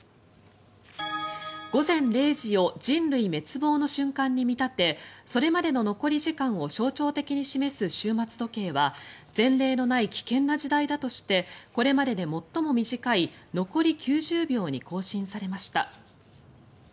午前０時を人類滅亡の瞬間に見立てそれまでの残り時間を象徴的に示す終末時計は前例のない危険な時代だとしてこれまでで最も短い残り９０秒に更新されました。